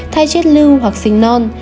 thai chết lưu hoặc sinh non